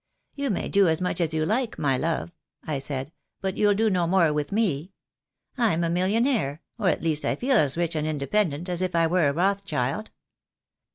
'You may do as much as you like, my love,' I said, 'but you'll do no more with me. I'm a millionaire, or at least I feel as rich and independent as if I were a Rothschild.'